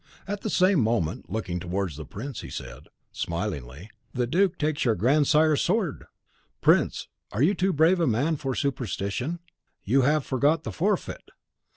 At the same moment, looking towards the prince, he said, smilingly, 'The duc takes your grandsire's sword. Prince, you are too brave a man for superstition; you have forgot the forfeit!